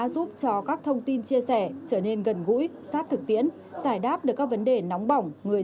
giúp cho các thông tin chia sẻ trở nên gần gũi sát thực tiễn giải đáp được các vấn đề nóng bỏng người